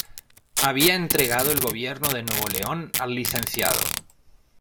Había entregado el gobierno de Nuevo León al Lic.